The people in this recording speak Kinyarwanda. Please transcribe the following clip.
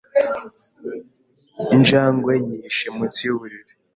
Injangwe yihishe munsi yuburiri.